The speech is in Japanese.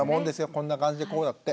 こんな感じでこうだって。